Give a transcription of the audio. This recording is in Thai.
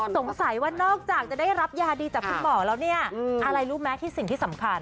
สงสัยว่านอกจากจะได้รับยาดีจากคุณหมอแล้วเนี่ยอะไรรู้ไหมที่สิ่งที่สำคัญ